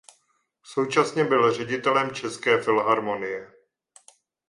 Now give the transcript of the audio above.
Současně byl ředitelem České filharmonie.